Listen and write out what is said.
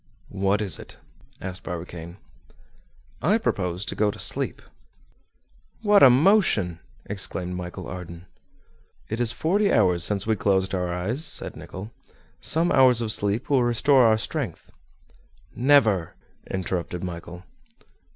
"What is it?" asked Barbicane. "I propose to go to sleep." "What a motion!" exclaimed Michel Ardan. "It is forty hours since we closed our eyes," said Nicholl. "Some hours of sleep will restore our strength." "Never," interrupted Michel.